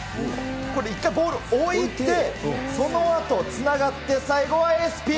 これ、一回ボールを置いて、そのあとつながって最後はエスピー。